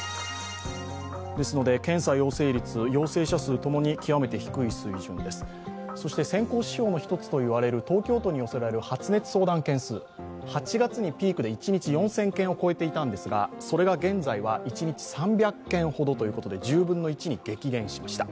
検査陽性率、陽性者数共に極めて低い水準です、そして先行指標の一つといわれる東京都に寄せられる発熱相談件数８月にピークで一日４０００件を超えていたんですが現在は３００件ほど、１０分の１に激減しました。